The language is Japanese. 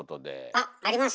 あっあります？